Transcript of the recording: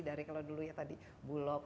dari kalau dulu ya tadi bulog